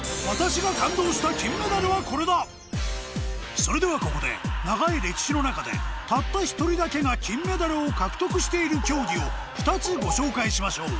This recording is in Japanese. それではここで長い歴史の中でたった１人だけが金メダルを獲得している競技を２つご紹介しましょう